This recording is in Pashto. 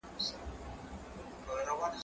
زه مخکې اوبه څښلې وې؟!